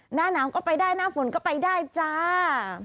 หน้าหนาวก็ไปได้หน้าฝนก็ไปได้จ้า